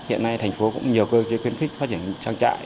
hiện nay thành phố cũng nhiều cơ chế khuyến khích phát triển trang trại